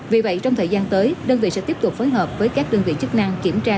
vì vậy trong thời gian tới đơn vị sẽ tiếp tục phối hợp với các đơn vị chức năng kiểm tra